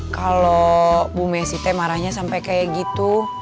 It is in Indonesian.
kalau bumesi teh marahnya sampai kayak gitu